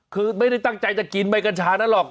คือไม่ได้ตั้งใจจะกินใบกัญชานั้นหรอก